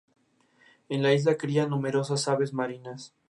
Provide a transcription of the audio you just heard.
En la isla crían numerosas aves marinas.